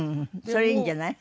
それいいんじゃない？